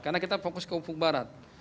karena kita fokus ke ufuk barat